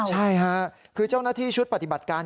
ใช่ค่ะคือเจ้าหน้าที่ชุดปฏิบัติการ